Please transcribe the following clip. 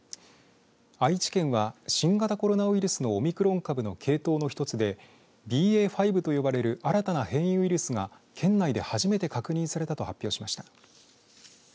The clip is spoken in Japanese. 愛知県は新型コロナウイルスのオミクロン株の系統の一つでＢＡ．５と呼ばれる新たな変異ウイルスが県内で初めて確認されたと発表しました。